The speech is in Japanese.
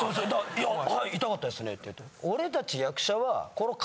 いやはい痛かったですねって言って。